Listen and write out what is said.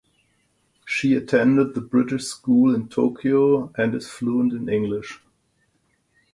She attended The British School in Tokyo and is fluent in English.